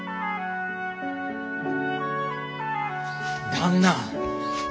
旦那！